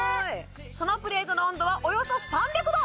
そのプレートの温度はおよそ３００℃